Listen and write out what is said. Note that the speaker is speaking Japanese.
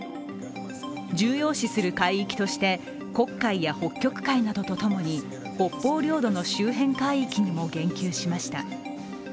重要視する海域として黒海や北極海などとともに北方領土の周辺海域にも言及しました。